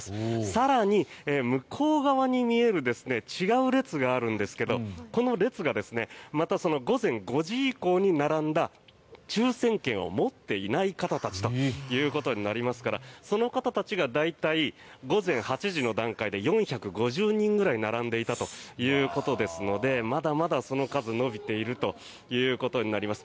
更に向こう側に見える違う列があるんですがこの列がまた午前５時以降に並んだ抽選券を持っていない方たちということになりますからその方たちが大体午前８時の段階で４５０人ぐらい並んでいたということですのでまだまだその数、伸びているということになります。